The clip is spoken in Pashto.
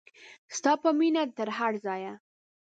ستا په مینه تر هر ځایه.